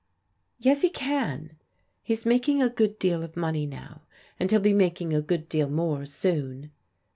" Yes, he can. He's making a good deal of money now, and hell be making a good deal more soon."